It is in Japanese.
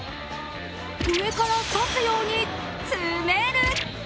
上から差すように詰める。